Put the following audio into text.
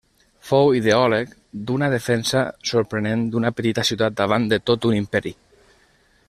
Fou l'ideòleg d'una defensa sorprenent d'una petita ciutat davant de tot un imperi.